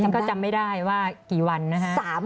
อย่างนี้ก็จำไม่ได้ว่ากี่วันนะฮะ